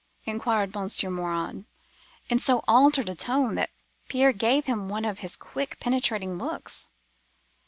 inquired Monsieur Morin, in so altered a voice that Pierre gave him one of his quick penetrating looks.